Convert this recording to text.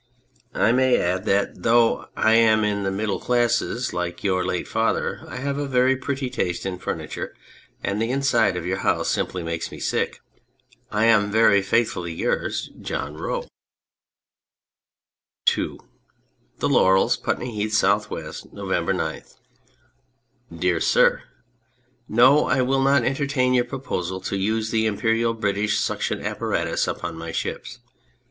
I may add that though I am of the middle classes, like your late father, I have a very pretty taste in furniture, and the inside of your house simply makes me sick. I am, Very faithfully yours, JOHN ROE. 198 The Honest Man and the Devil II The Laiirels, Putney Heath, S. Jr. November 9. DEAR SIR, No ; I will not entertain your proposal to use the Imperial British Suction Apparatus upon my ships.